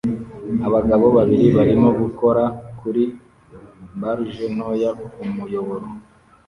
Abagabo babiri barimo gukora kuri barge ntoya kumuyoboro